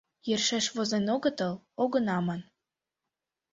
Йӧршеш возен огытыл, огына ман.